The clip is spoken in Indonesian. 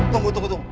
tunggu tunggu tunggu